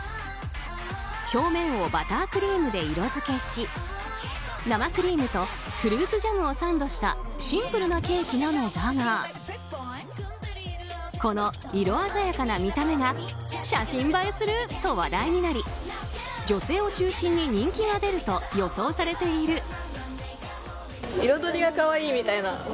表面をバタークリームで色付けし生クリームとフルーツジャムをサンドしたシンプルなケーキなのだがこの色鮮やかな見た目が写真映えすると話題になり女性を中心に人気が出ると予想されている。